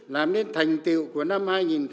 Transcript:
làm nên thành tiệu của năm hai nghìn một mươi bảy